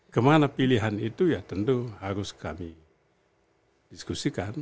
kemana pilihan itu ya tentu harus kami diskusikan